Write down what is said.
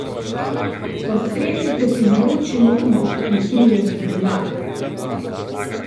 Postrezite si z vročim rumom, utrujeni junak.